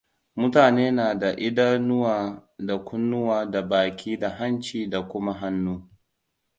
Mutane na da idanuwa da kunnuwa da baki da hanci da kuma hannu.